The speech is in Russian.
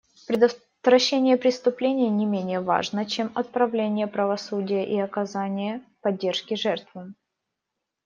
Предотвращение преступлений не менее важно, чем отправление правосудия и оказание поддержки жертвам.